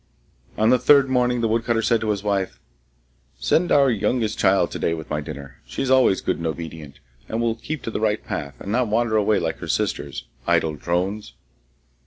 On the third morning the woodcutter said to his wife, 'Send our youngest child to day with my dinner. She is always good and obedient, and will keep to the right path, and not wander away like her sisters, idle drones!